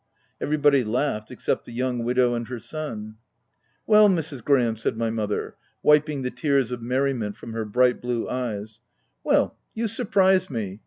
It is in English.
Everybody laughed, except the young widow and her son. "Well, Mrs. Graham,?' said my mother, wiping the tears of merriment from her bright blue eyes —" well, you surprise me